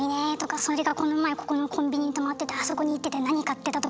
「それがこの前ここのコンビニに止まっててあそこに行ってて何買ってた」とか。